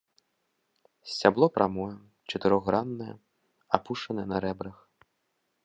Сцябло прамое, чатырохграннае, апушанае на рэбрах.